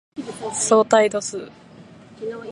相対度数